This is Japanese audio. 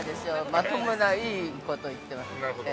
まともないいこと言ってますんで。